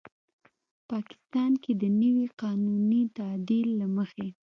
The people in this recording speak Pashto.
پاکستان کې د نوي قانوني تعدیل له مخې